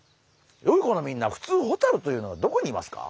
よい子のみんなふつうホタルというのはどこにいますか？